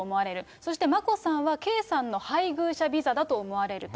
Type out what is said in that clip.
そして眞子さんは、圭さんの配偶者ビザだと思われると。